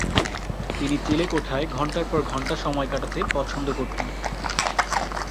তিনি চিলেকোঠায় ঘণ্টার পর ঘণ্টা সময় কাটাতে পছন্দ করতেন।